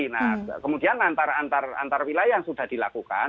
nah kemudian antar wilayah yang sudah dilakukan